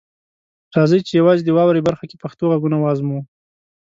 راځئ چې یوازې د "واورئ" برخه کې پښتو غږونه وازموو.